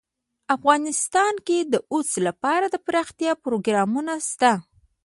افغانستان کې د اوښ لپاره دپرمختیا پروګرامونه شته.